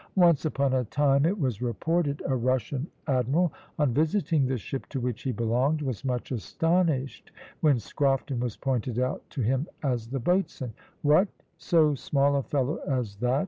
Once upon a time it was reported a Russian admiral, on visiting the ship to which he belonged, was much astonished when Scrofton was pointed out to him as the boatswain. "What, so small a fellow as that?"